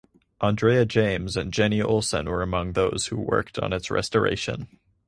Andrea James and Jenni Olson were among those who worked on its restoration.